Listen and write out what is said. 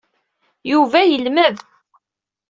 Yuba yelmed.